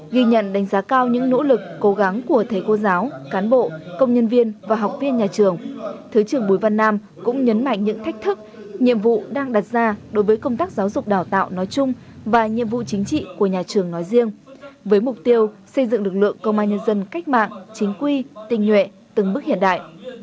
ghi nhận đánh giá cao những nỗ lực cố gắng của thầy cô giáo cán bộ công nhân viên và học viên nhà trường thứ trưởng bùi văn nam cũng nhấn mạnh những thách thức nhiệm vụ đang đặt ra đối với công tác giáo dục đào tạo nói chung và nhiệm vụ chính trị của nhà trường nói riêng với mục tiêu xây dựng lực lượng công an nhân dân cách mạng chính quy tình nhuệ từng bước hiện đại